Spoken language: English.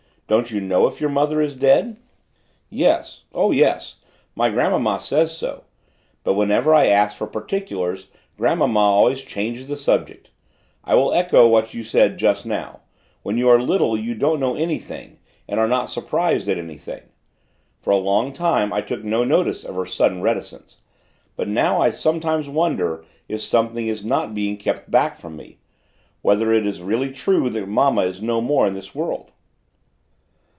Don't you know if your mother is dead?" "Yes, oh yes; grandmamma says so. But whenever I ask for particulars grandmamma always changes the subject. I will echo what you said just now: when you are little you don't know anything and are not surprised at anything. For a long time I took no notice of her sudden reticence, but now I sometimes wonder if something is not being kept back from me whether it is really true that mamma is no more in this world."